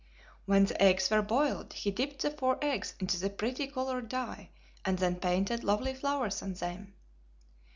When the eggs were boiled, he dipped the four eggs into the pretty colored dye and then painted lovely flowers on them.